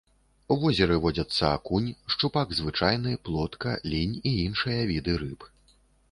У возеры водзяцца акунь, шчупак звычайны, плотка, лінь і іншыя віды рыб.